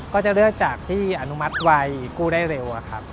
ก็จะเลือกจากที่อนุมัติไวกู้ได้เร็วอะครับ